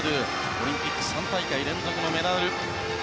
オリンピック３大会連続のメダル。